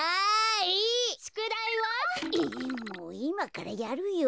いまからやるよ。